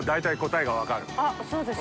そうですか？